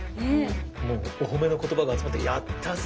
もうお褒めの言葉が集まってやったぜ！